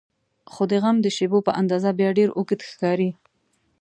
خو د غم د شیبو په اندازه بیا ډېر اوږد ښکاري.